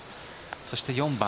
そして４番。